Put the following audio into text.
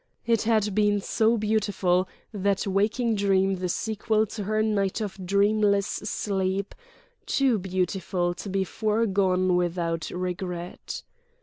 It had been so beautiful, that waking dream the sequel to her night of dreamless sleep, too beautiful to be foregone without regret.